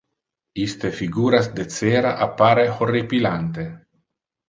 Iste figuras de cera appare horripilante.